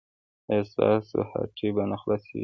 ایا ستاسو هټۍ به نه خلاصیږي؟